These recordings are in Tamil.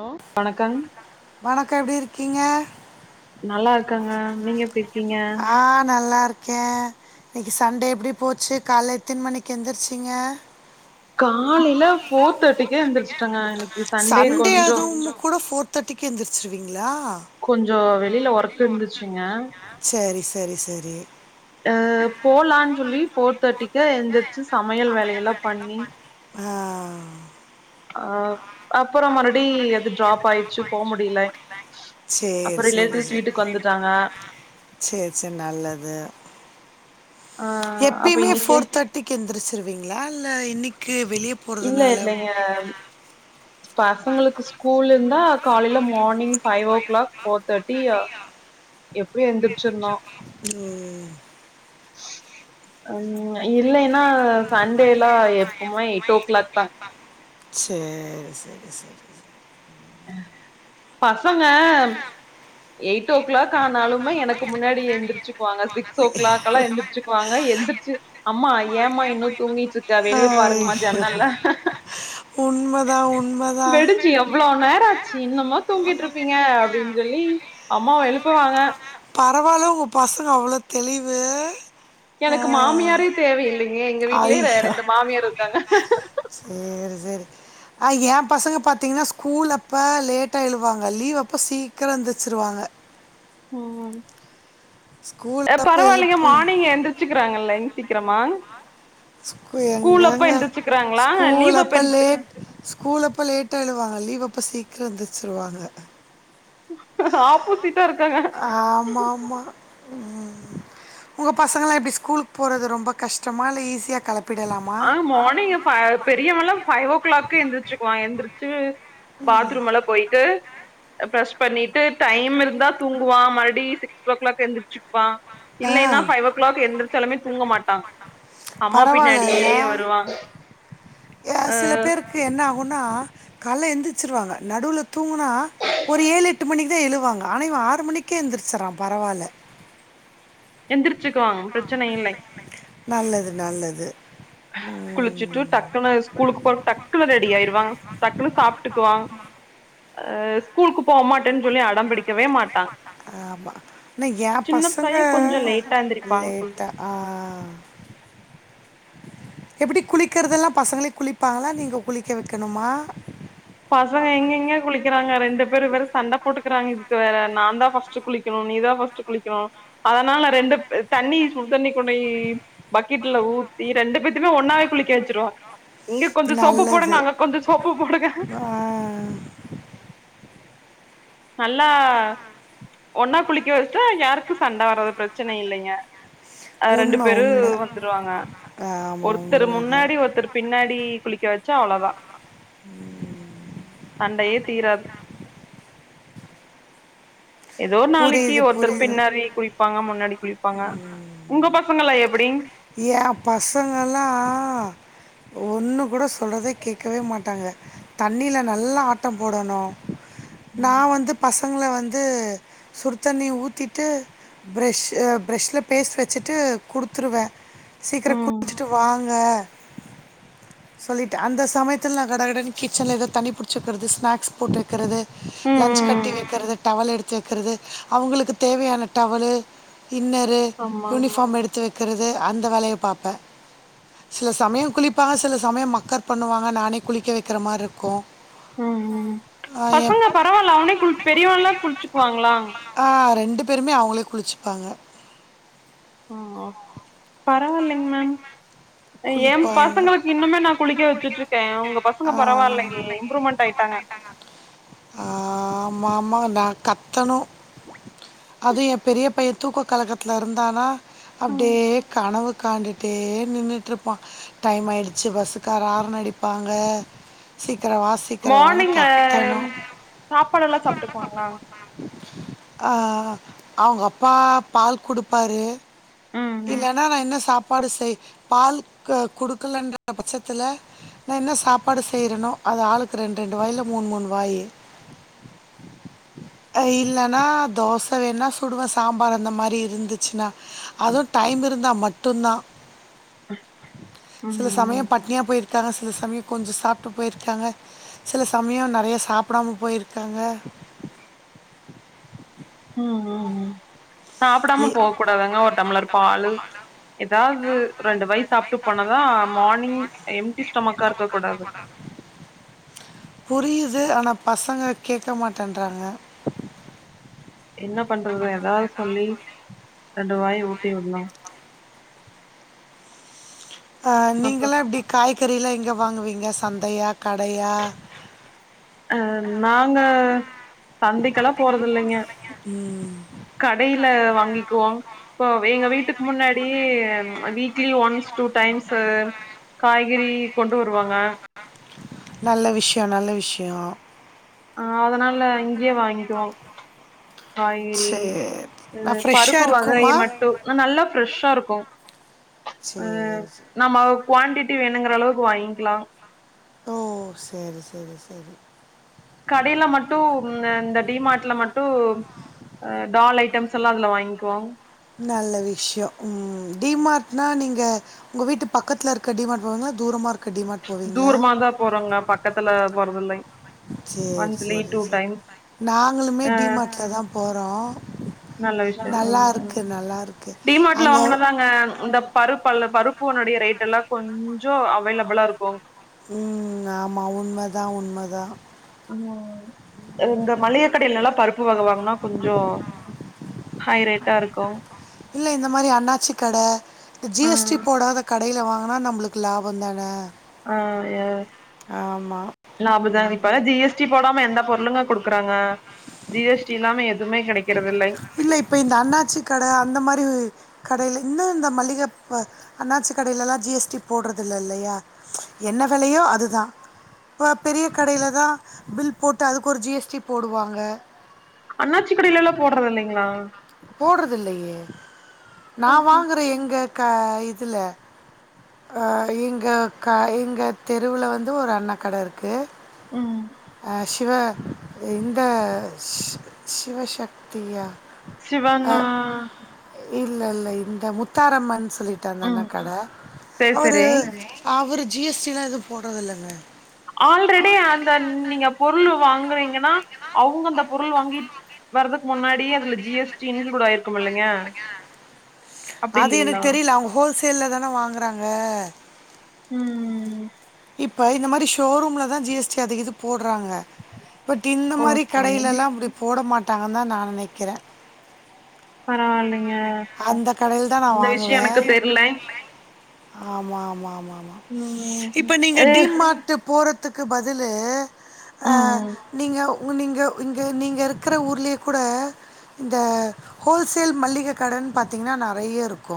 ஹலோ வணக்கம் வணக்க எப்டி இருக்கீங்க நல்லா இருக்கங்க நீங்க எப்டி இருக்கீங்க ஆ நல்லா இருக் கே இன்னைக்கி சண்டே எப்டி போச்சு காலை எத்தின் மணிக்கு எந்திரிச்சிங்க காலைல ஃபோர் தேர்ட்டிக்கே எந்திருச்சுட்டாங்க இன்னைக் சண்டே அதுவும் கூட ஃபோர் தேர்ட்டிக்கே எந்திருச்சுருவீங்களா கொஞ்சோ வெளில ஒர்க்கு இருந்துச்சுங்க சரி சரி சரி அ போலான்னு சொல்லி போர் தேர்ட்டிக்கு எந்திரிச்சு சமையல் வேலையெல்ல பண்ணி ஆ ஆ அப்புறோ மறுடி அது ட்ராப் ஆயிருச்சு போ முடில சரி அப்புறோ ரிலேட்டடீஸ் வீட்டுக்கு வந்துட்டாங்க சேரி சேரி நல்லது ஆ அப்ப எப்பயுமே இன்னைக்கே ஃபோர் தட்டி திக்கு எந்திரிச்சுருவீங்களா இல்ல இன்னைக்கு வெளிய இல்ல இல்லைங்க பசங்களுக்கு ஸ்கூல் இருந்தா காலையில morning five o'clock four thirty எப்டியு எந்திரிச்சிருனு ம் ம் இல்லைன்னா சண்டேல எப்பவுமே எயிட் ஓ கிளாக் தா சேரி செரி செரி செ அ பசங்க எயிட் ஓ கிளாக் ஆனாலுமே எனக்கு முன்னாடி எந்திரச்சுக்குவாங்க சிக்ஸ் ஓ கிளாக் எல்லா எந்திரிச்சுக்குவாங்க எந் ச்சு அம்மா ஏன்ம்மா இன்னு தூங்கிட்டு இருக்கா வெளிய பாருங்கமா ஜன்னல்ல உண்மைதா உண்மைதா ச்சு எவ்ளோ நேரோ ஆச்சு இன்னுமா தூங்கிட்டு இருப்பீங்க அப்டின்னு சொல்லி அம்மாவ எழுப்புவாங்க பரவாயில்ல உங்க பசங்க அவ்ளோ தெளிவு ஆ, எனக்கு மாமியாரே தேவ இல்லைங்க எங்க வீட்லயே ரெ ரெண்டு மாமியார் இருக்காங்க சேரி சேரி ஆ எ பசங்க பாத்தீங்கன்னா ஸ்கூல் அப்போ லேட்டா எழுவாங்க லீவ் அப்போ சீக்கரோ எந்திரிச்சுருவாங்க ம் ஸ்கூல் அ அப்போ பரவாயில்லைங்க எழுப்பு மார்னிங் எந்தி ச்சிக்கிறாங்கல்லங் சீக்கிரமா ஸ்கூல் அப்ப எங்கங்க எந்திரிச்சுக்கிறாங்களா ஸ்கூல் லீவ் அப்ப எந்திரிச்சு லேட் கூல்லப்போ லேட்டா எழுவாங்க லீவ் அப்போ சீக்கிரோ எந்திருச்சுருவாங்க ஆப்போசிட்டா இருக்காங்க ஆமாமா ம் உங்க பசங்களா எப்டி ஸ்கூல்லுக் போறது ரொம்ப கஷ்டமா இல்ல ஈஸியா கௌப் ஆ மார்னிங் ஃப பெரியவனல்ல பஃபைவ் ஓ கிளாகே எந்திரச்சுக்குவா எந்திரிச்சி பாத்ரூம் எல்லா போய்ட்டு ப்ரஷ் பண்ணிட்டு டைம் இருந்தா தூங்குவா மறுடி சி க்ஸ் ஓ கிளாக் எந்திரிச்சுப்பா ஆ இல்லைன்னா பஃபைவ் ஓ கிளாக் எந்திரிச்சாலுமே தூங்க மாட்டா அம்மா பின்னாடியே பரவால்லல்ல வருவா ஆ அ சில பேருக்கு என்ன ஆகுனா காலைல எந்திரிச்சிருவாங்க நடுவுல தூங்குனா ஒரு ஏழ் எட்டு மணிக்கு தா எழுவாங்க ஆனா இவ ஆறு மணிக்கே எந்திரிச்சறா பரவால எந்திரிச்சுக்குவாங் பிரச்சனை இல்லை நல்லது நல்லது ம் குளிச்சிட்டு டக்குனு ஸ்கூலுக்கு போறக்கு டக்குனு ரெடி ஆயிருவான் டக்குன்னு சாப்ட்டுக்குவான் அ ஸ்கூலுக்கு போ மாட்டன் சொல்லி அடம்பிடிக்கவே மாட்டான் ஆமா. ஆனா என் சின்ன பையன் கொஞ்சோ லேட்டா எந்திருப்பான் த ஆ எப்டி குளிக்கறதெல்லா பசங்களே குளிப்பாங்ளா நீங்க குளிக்க வெக்கணுமா பசங்க எங்கீங்க குளிக்கறாங்க ரெண்டு பேர் வேற சண்ட போட்டுக்கறாங்க இதுக்கு வேற நான்தா ஃபர்ஸ்ட் குளிக்கணு நீதா ஃபர்ஸ்ட் குளிக்கனு அதனால ரெண்டு தண்ணி சுடு தண்ணி கொண்டோயி பக்கெட்ல ஊத்தி ரெண்டு பேத்துமே ஒன்னாவே குளிக்க வெச்சிருவ இங்க கொஞ்சோ சோப்பு நல்லது. போடுங்க அங்க கொஞ்சோ சோப்பு போடுங்க ஆ. நல்லா ஒன்னா குளிக்க வெச்சுட்டா யாருக்கு சண்ட வராது பிரச்சன இல்லைங்க அ ரெண்டு உண்ம, பேரு உண்ம. வந்துருவாங்க ஆமா ஒருத்தர் உண்மதான். முன்னாடி ஒருத்தர் பின்னாடி குளிக்க வெச்சா அவ்ளதா சண்டையே தீராது எதோ ஒர் நாளைக்கு புரியுது, ஒருத்தர் புரியுது. பின்னாடி குளிப்பாங்க முன்னாடி குளிப்பாங்க உங்க பசங்கெல்லா எப்டிங் என் பசங்கல்லா ஒன்று கூட சொல்றத கேக்கவே மாட்டாங்க தண்ணில நல்லா ஆட்டம் போடணு நா வந்து பசங்கள வந்து சுடுத்தண்ணி ஊத்திட்டு ப்ரெஷ் அ ப்ரெஷ்ல பேஸ்ட் வெச்சுட்டு குடுத்துருவே ம் சீக்கிரோ ம் குளிச்சுட்டு வாங்க சொல்லிட்டு அந்த சமயத்துல நா கடகடனு கிச்சன்ல எதோ தண்ணி புடிச்சு வெக்கறது ஸ்னாக்ஸ் போட்டு வெக்கறது லன்ச் ம் கட்டி ம் வெக்கறது டவல் எடுத்து வெக்கறது அவுங்களுக்கு தேவையான டவலு இன்னரு ஆமா யூனிஃபார்ம் எடுத்து வெக்கறது அந்த வேலைய பாப்ப சில சமயோ குளிப்பாங்க சில சமயோ மக்கர் பண்ணுவாங்க நானே குளிக்க வெக்கற மாரி இருக்கு ம் ம் பசங்க பரவால்ல அவனே கு பெரியவன்ல்லா குளிச்சுக்வாங்ளா ஆ ரெண்டு பேருமே அவுங்ளே குளிச்சுப்பாங்க ஓ பரவாயில்லைங் மேம் என் குளிப்பாங்க பசங்களுக்கு இன்னுமே நா குளிக்க வெச்சுட்டு இருக்கே உங்க பசங்க பரவாலையே இம்ப்ரூவ்மெண்ட் ஆய்ட்டாங்க ட்டாங்க ஆமாமா நா கத்தணு அது என் பெரிய பையன் தூக்க கலக்கத்துல இருந்தானா ம் அப்டியே கனவு காண்டுட்டே நின்னுட்டு ருப்பான் டைம் ஆயிடுச்சு பஸ்ஸுக்காரன் ஹாரன் அடிப்பாங்க சீக்கரோ வாஸ் சீக்கர வான்னு மார்னிங் அ கத்தணு சாப்பாடெல்லா சாப்ட்டுப்பாங்ளா ஆ அவுங்க அப்பா பால் குடுப்பாரு ம் ம் இல்லனா நா என்ன சா ப்பாடு செய் பால் குடுக்கலன்ற பட்சத்துல நா என்ன சாப்பாடு செய்யறனோ அது ஆளுக்கு ரெண்டு ரெண்டு வாய்ல மூணு மூணு வாயி அ இல்ல நா தோச வேணா சுடுவ சாம்பார் அந்த மாரி இருந்துச்சுனா அதுவு டைம் இருந்தா ம ட்டுந்தா ம் சில சமயோ ம் பட்னியா போயிருக்காங்க சில சமயோ கொஞ்சோ சாப்ட்டு போய்ருக்காங்க சில சமயோ நெறையா சாப்டாம போய்ருக்காங்க ம் ம் சாப்டாம போ கூடாதங்க ஒரு டம்ளர் பாலு எதாது ரெண்டு வாய் சாப்ட்டு போனாதா மார்னிங் எம்ட்டி ஸ்டொமக்கா இருக்க கூடாது புரிது ஆனா பசங்க கேக்க மாட்டன்றாங்க என்ன பண்றது எதாது சொல்லி ரெண்டு வாய் ஊட்டி விட்ணு அ அப்ப நீங்களா எப்டி காய்கறிலா எங்க வாங்குவீங்க சந்தையா கடையா அ நாங்க சந்தைக்கெல்லா போறது இல்லைங்க ம் கடைல வாங்கிக்குவோ ப வே எங்க வீட்டுக்கு முன்னாடி ம் வீக்லி ஒன்ஸ் டூ டைம்ஸ்சு காய்கறி கொண்டு வருவாங்க நல்ல விஷ்யோ நல்ல விஷ்யோ ஆ அதனால இங்கேயே வாங்கிவோ காய்கறி சரி அ நான் ஃப்ரெஷ்ஷாக பருப்பு வகைய இருக்குமா மட் டு நல்ல ஃப்ரெஷ்ஷா ருக்கு சரி ம் நம்மவ் குவான்டிட்டி வேணுங்கிற அளவுக்கு வாங்கிக்கிலா ஓ சேரி சேரி சேரி கடைல மட்டு ம் அ இந்த டிமார்ட்ல மட்டு ஹ டால் ஐட்டம்ஸ் எல்லா அதுல வாங்கிக்குவோ நல்ல விஷ்யோ ம் டிமார்ட்னா நீங்க உங்க வீட்டு பக்கத்துல இருக்குற டிமார்ட் போவீங்களா தூரமா இருக்குற டிமார்ட் போவீங்களா தூரமா தா போறோங்க பக்கத்துல போறது இல்லைங் சேரி சேரி சேரி நாங்களுமே ஆ டிமார்ட்ல தா போறோ நல்ல விஷயம் நல்லா ம் ருக்கு இது நல்லாருக் டிமார்ட்ல வாங்குனது தாங்க இந்தப் பருப்பு அல்ல பருப்புனுடைய ரேட் எல்லா கொஞ்சோ அவேலபிளா இருக்கு ம் ஆமா உண்ம தா உண்ம தா ம் அ இந்த மளிக கடைல எல்லா பருப்பு வக வாங்குனா கொஞ்சோ ஹை ரேட்டா இருக்கு இல்ல இந்த மாரி அண்ணாச்சி கட இந்த ஜி ஆ எஸ் டி போடாத கடேல வாங்குனா நம்மளுக்கு லாபோ தான ஆ ய ஆமா லாப தான இப்ப ஜி எஸ் டி போடாம எந்த பொருளுங்க குடுக்குறாங்க ஜி எஸ் டி இல்லாம எதுமே கெடைக்கிறதில்லைங் இல்ல இப்போ இந்த அண்ணாச்சி கட அந்த மாரி கடேல இன்னு இந்த மளிக பா அண்ணாச்சி கடேல எல்லா ஜி எஸ் டி போடுறது இல் இல்லையா என்ன விலையோ அது தான இப்போ பெரிய கடையில் தான் பில் போட்டு அதுக்கு ஒரு ஜிஎஸ்டி போடுவாங்க அண்ணாச்சி கடேல்லா போடுறது இல்லைங்களா போடுறதுல்லையே நா வாங்குற எங்க க இதுல அ இங்க க இங்க தெருவில வந்து ஒரு அண்ணா கட இருக்கு ம் அ சிவ வே இந்த இந்த ஸ் ஸ் சிவசக்தியா சிவா அண்ணா இல்ல இல்ல இந்த முத்தாரம்மன் சொல்லிட்டு அந்த அண்ணா ம் கட சேரி அவரு சேரி அவர் ஜி எஸ் டி லா எது போடுறதில்லைங்க ஆல்ரெடி அந்த நீங்க பொருள் வாங்குறீங்கன்னா அவுங்க அந்த பொருள் வாங்கி வரதுக்கு முன்னாடி அதுல ஜி எஸ் டி இன்குளூட் ஆயிரு அப்டி அது எனக்கு இல்லைங்களா தெரியல அவுங்க ஹோல்சேல்ல தான வாங்குறாங்க ம் ம் இப்ப இந்த மாதிரி ஷோரூம்ல தா ஜி எஸ் டி அது இது போட்றாங்க பட் இந்த மாரி ஓகே கடையிலெல்லா அப்டி போட மாட்டாங்க தா நா நெனைக்கிறே பரவால்லைங்க அந்த கடையில தா நா வாங்குவே ஆமா ஆமா ஆமா ஆமா ம் இப்ப நீங்க ஏ டி மார்ட்டு போற த்துக்கு பதில் ஆ ம் நீங்க உங்கு நீங்க இங்க நீங்க இருக்கிற ஊர்லேயே கூட இந்த ஹோல்சேல் மளிக கடன்னு பாத்தீங்கன்னா நெறைய இருக்கு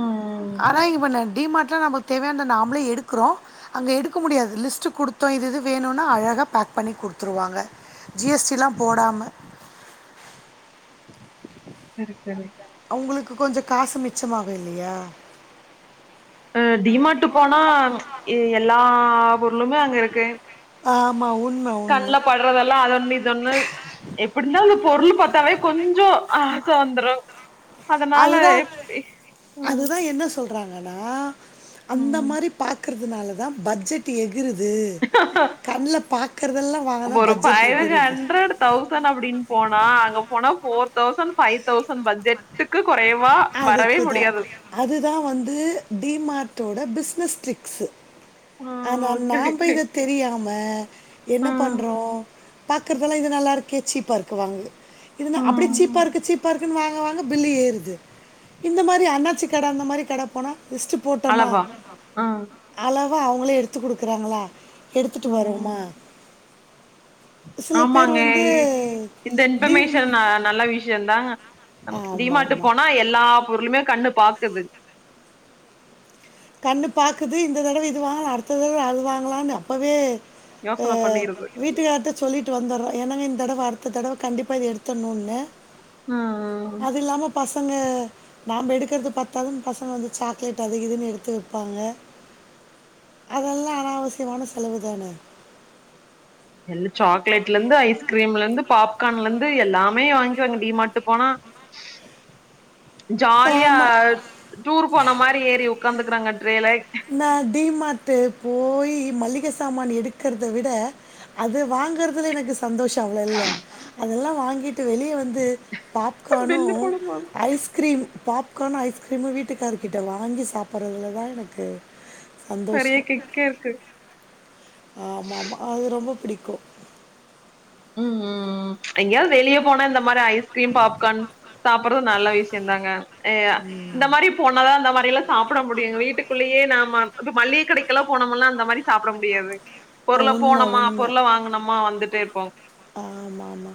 ம் ஆனா இவன டி மார்ட்ல நமக் தேவயானத நாமளே எடுக்கறோ அங்க எடுக்க முடியாது லிஸ்ட் குடுத்தோ இது இது வேணும்னா அழகா பேக் பண்ணி குடுத்துடுவாங்க ஜி எஸ் டி எல்லா போடாம செரி செரி அவங்களுக்கு கொஞ்சோ காசு மிச்சமாகு இல்லையா அ டி மாட்டு போனா எல்லா பொருளுமே அங்க இருக்கு ஆமாம் உண்மை கண்ல உண்மை படுறதெல்லா அத ஒன்னு இது ஒன்னு எப்படிந்தாலு பொருளு பாத்தாவே கொஞ்சோ ஆச வந்துரு அதனால அதுதான் எப்டி ம் அதுதான் என்ன சொல்றாங்கன்னா அந்த ம் மாரி பாக்கறதுனால தா பட்ஜெட் டு எகுறுது கண்ல பாக்கறதெல்லா வாங்கதா ஒரு பட்ஜெட் பயலுக்கு எகுறுது ஹண்ட்ரட் தௌசண்ட் அப்டின்னு போனா அங்க போனா போர் தௌசண்ட் ஃபைவ் தௌசண்ட் பட்ஜெட்டுக்கு கொறைவா வரவே முடியாது அதுதா வந்து டி மார்ட்டோட பிஸ்னஸ் ட்டிரிக்ஸு ம் ஆனா ஓகே நான் போய் ஓகே இத தெரியாம என்ன ம் பண்றோ பாக்குறதெல்லா இது நல்லா இருக்கே சீப்பா இருக்கு வாங்கு இதுனா அப்டியே ம் சீப்பா இருக்கு சீப்பா இருக்குன்னு வாங்க வாங்க பில்லு ஏறுது இந்த மாரி அண்ணாச்சி கட அந்த மாரி கட போனா லிஸ்ட்டு போட்டமா அளவா ம் அளவா அவங்களே எடுத்து குடுக்குறாங்களா எடுத்துட்டு ம் வருவமா ஆமாங்க இந்த டீம் இன்பர்மேஷன் ந நல்ல வி ஷயந்தா அ டி ஆமாம் மார்ட்டு ஆமாம் போனா எல்லா பொருளுமே கண்ணு பாக்குது கண்ணு பாக்குது இந்த தடவ இது வாங்கலா அடுத்த தடவ அது வாங்கலான்னு அப்பவே அ யோசன பண்ணிருது வீட்டுக்கார்ட்ட சொல்லிட்டு வந்துறோ எனவே இந்த தடவ அடுத்த தடவ கண்டிப்பா இது எடுத்தரணுன்னு ம் ம் அது இல்லாம பசங்க நாம எடுக்கறது பத்தாதுன்னு பசங்க வந்து சாக்லேட் அது இதுன்னு எடு த்து விப்பாங்க அதெல்ம் அனாவசியமான செலவு தானே எல் சாக்லேட்ல இருந்து ஐஸ்கிரீம்ல இருந்து பாப் க்கான்ல இருந்து எல்லாமே வாங்கிவாங்க டி மாட்டு போனா ஜாலியா ஆமாம் டூர் போன மாறி ஏறி உக்காந்துக்கறாங்க ட்ரேல நா டி மார்டு போய் மளிக சாமான் எடுக்கறத விட அது வாங்கறதுல எனக்கு சந்தோஷ அவ்ளோ இல்ல அதெல்லா வாங்கிட்டு வெளிய வந்து பாப்கார்னு பெல்லு கூட போது ஐஸ்கிரீம் பாப் க்கானு ஐஸ்கிரீமு வீட்டுக்காரர்கிட்ட வாங்கி சாப்பிட்றதுல தா எனக்கு நெறைய சந்தோஷம் கிக்கே இருக்கு ஆமா ஆமா அது ரொம்ப பிடிக்கு ம் ம் ம் எங்யிது வெளிய போனா இந்த மாரி ஐஸ் கிரீம் பாப்கார்ன் சாப்டறது நல்ல விஷ்யந்தாங்க இந்த மாரி போனாதா அந்த மாரி எல்லா சாப்ட முடியுஙா வீட்டுக்குள்ளயே நாம மல்லிக கடைக்கெல்லா போனம்னா அந்த மாரி சாப்பிட முடியாதுங் ஆ, பொருள உண்மை போனமா பொருள வாங்கனமா வந்துட்டே இருப்போ ஆமாமா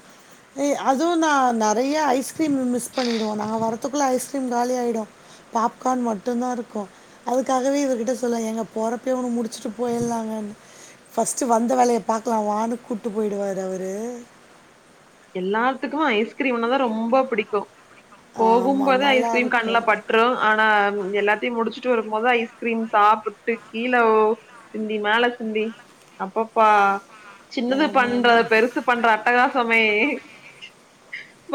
ஏய் அதுவு நா நெறையா ஐஸ்க்ரீம் மிஸ் பண்ணிடுவோ நா வர்றதுக்குள்ள ஐஸ்கிரீம் கால ஆயிடு பாப்கார்ன் மட்டுந்தா இருக்கு அதுக்காகவே இவரு கிட்ட சொல்லவ ஏங்க பொறப்பவே ஒன்னு முடிச்சிட்டு போயிர்லாங்கன்னு ஃபர்ஸ்ட்டு வந்த வேலய பாக்கலா வானு கூட்டு போயிடுவாரு அவரு எல்லாத்துக்குமே ஐஸ்கிரீம்னதான ரொம்ப புடிக்கு ஆமா, போகும்போதே ஐஸ்கிரீம் கண்ல நல்லாருக்கும். பட் ரு ஆனா எல்லாத்தையு முடிச்சுட்டு வரும்போது ஐஸ்கிரீம் சாப்ட்டு கீழ சிந்தி மேல சிந்தி அப்பப்பா சின்னது பண்ற ஆமாமா. பெருசு பண்ற அட்டகாசமே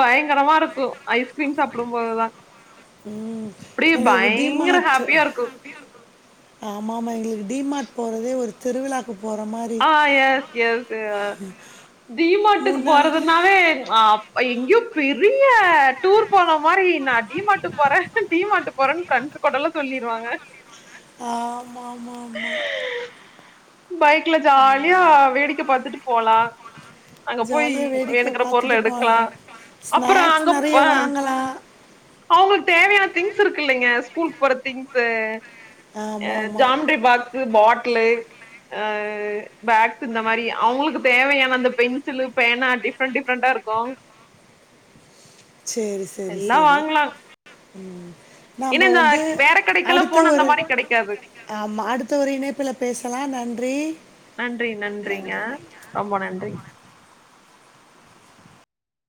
பயங்கரமா இருக்கு ஐஸ்கிரீம் சாப்பிடும் போதுதா ம். அப்டியே எங்களுக்கு பயங்கர டிமார்ட் ஹாப்பியா இருக்கு ஆமாமா எங்களுக்கு டிமார்ட் போறதே ஒரு திருவிழாக்கு போற மாரி ஆ எஸ் எஸ் டிமார்ட்டுக்கு முன்னாடி போறது நாவே எங்யோ பெரிய டூர் போன மாரி நா டீமார்ட் போறன் டிமார்ட் போறன்னு ஃப்ரெண்ட்ஸ் கூடல்லா சொல்லிருவாங்க ஆமாமாமா பைக்ல ஜாலியா வேடிக்கை பாத்துட்டு போலா அங்க போயி ஜாலியாக வேடிக்கை வேணுங்கிற பார்த்துட்டு பொருள எடுக்கலா போகலாம் அப்றோ ஸ்நாக்ஸ் அங்க நிறைய வாங்கலாம் அவுங்களுக்கு தேவையான திங்ஸ் இருக்கில்லீங்க ஸ்கூல்க்கு போற திங்ஸு அ ஆமாம் ஆமாம் ஜாமண்டரி பாக்ஸு பாட்லு அ பேக்ஸ் இந்த மாரி அவுங்களுக்கு தேவையான அந்த பென்சிலு பேனா டிஃப்ரெண்ட் டிஃபரெண்டா இருக்கு சேரி சேரி எல்லா சேரி வாங்கலா ம் ஏன்னா நாம இந்த வந்து வேற கடைக்கெல்லா அடுத்த போனா அந்த ஒரு மாரி கெடைக்காது ஆமா அடுத்த ஒரு இணைப்புல பேசலா நன்றி நன்றி நன்றிங்க ரொம்ப நன்றி